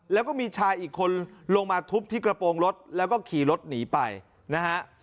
แล้วก็มีชายอีกคนลงมาทุบที่กระโปรงรถแล้วก็ขี่รถหนีไปนะฮะ